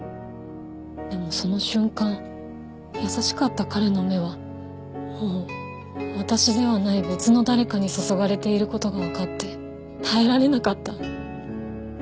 でもその瞬間優しかった彼の目はもう私ではない別の誰かに注がれている事がわかって耐えられなかった。